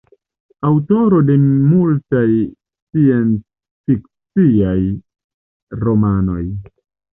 Aŭtoro de multaj sciencfikciaj romanoj.